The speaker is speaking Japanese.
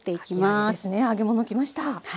かき揚げですね揚げ物きました。